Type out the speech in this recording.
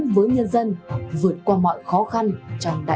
chống dân dân dân thnels vượt qua mọi khó khăn trong đại dịch